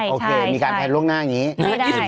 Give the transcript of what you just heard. โอเคมีการแพทย์ล่วงหน้างนี้